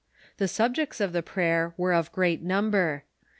The subjects of the prayer were of great number.